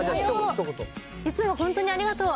いつも本当にありがとう。